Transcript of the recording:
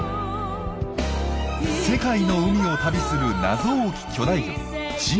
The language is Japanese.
世界の海を旅する謎多き巨大魚ジンベエザメ。